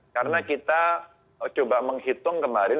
karena kita coba menghitung kemarin